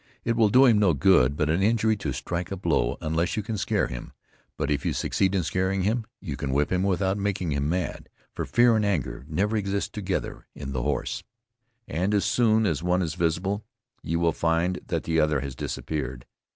It will do him no good but an injury, to strike a blow, unless you can scare him; but if you succeed in scaring him, you can whip him without making him mad; for fear and anger never exist together in the horse, and as soon as one is visible, you will find that the other has disappeared.